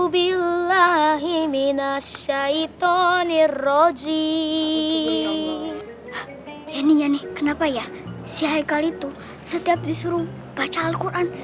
bila hei minasyaitonirroji ini nyanyi kenapa ya si hai kali itu setiap disuruh baca alquran